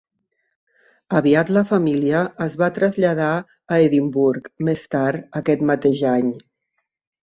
Aviat la família es va traslladar a Edimburg més tard aquest mateix any.